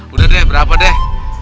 udah deh berapa deh